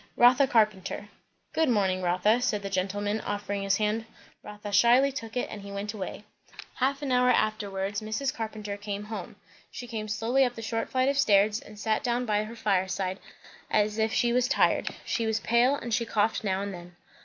"Rotha Carpenter." "Good morning, Rotha," said the gentleman, offering his hand. Rotha shyly took it, and he went away. Half an hour afterwards, Mrs. Carpenter came home. She came slowly up the short flight of stairs, and sat down by her fireside as if she was tired. She was pale, and she coughed now and then.